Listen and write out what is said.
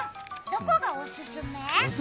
どこがおすすめ？